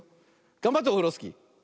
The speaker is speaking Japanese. がんばってオフロスキー。